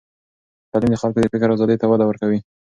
تعلیم د خلکو د فکر آزادۍ ته وده ورکوي.